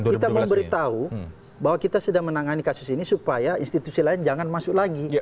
kita memberitahu bahwa kita sedang menangani kasus ini supaya institusi lain jangan masuk lagi